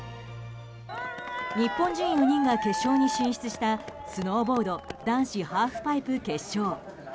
日本人４人が決勝に進出したスノーボード男子ハーフパイプ決勝。